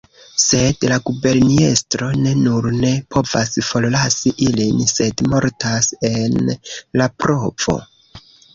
Sed la guberniestro ne nur ne povas forlasi ilin, sed mortas en la provo.